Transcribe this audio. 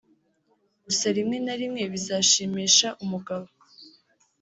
Gusa rimwe na rimwe bizashimisha umugabo